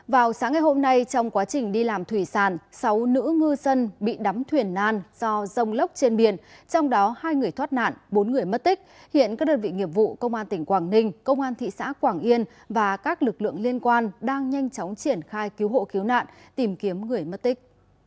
vào sáng ngày hôm nay trong quá trình đi làm thủy sàn sáu nữ ngư dân bị đắm thuyền nan do rông lốc trên biển trong đó hai người thoát nạn bốn người mất tích hiện các đơn vị nghiệp vụ công an tỉnh quảng ninh công an thị xã quảng yên và các lực lượng liên quan đang nhanh chóng triển khai cứu hộ cứu nạn tìm kiếm người mất tích